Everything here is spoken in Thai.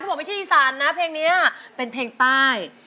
บอกไม่ใช่อีสานนะเพลงนี้เป็นเพลงใต้